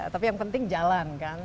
tapi yang penting jalan kan